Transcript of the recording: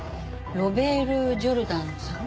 ロベール・ジョルダンさん？